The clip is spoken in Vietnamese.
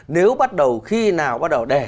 nếu bắt đầu khi nào bắt đầu để